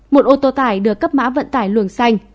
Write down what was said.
một ô tô tải được cấp mã vận tải luồng xanh